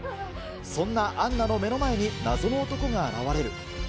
そんなアンナの目の前に謎の男が現れる。